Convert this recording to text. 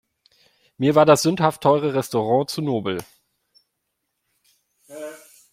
Mir war das sündhaft teure Restaurant zu nobel.